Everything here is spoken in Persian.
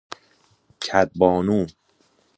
کد بانو